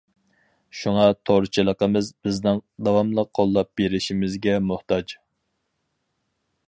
شۇڭا تورچىلىقىمىز بىزنىڭ داۋاملىق قوللاپ بېرىشىمىزگە موھتاج.